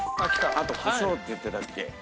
あとコショウって言ってたっけ？